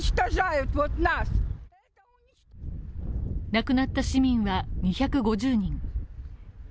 亡くなった市民は２５０人。